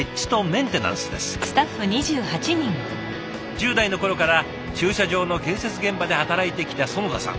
１０代の頃から駐車場の建設現場で働いてきた囿田さん。